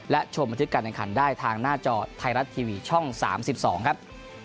และชมบันทึกการแข่งขันได้ทางหน้าจอไทยรัฐทีวีช่อง๓๒ครับ